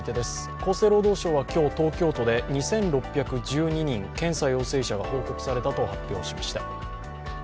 厚生労働省は今日、東京都で２６１２人、検査陽性者が報告されたと発表しました。